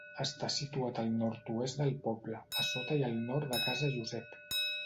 Està situat al nord-oest del poble, a sota i al nord de Casa Josep.